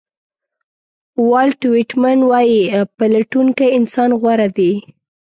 والټ وېټمن وایي پلټونکی اوسېدل غوره دي.